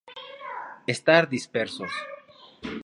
Estar dispersos.